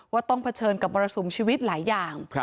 ต้องเผชิญกับมรสุมชีวิตหลายอย่าง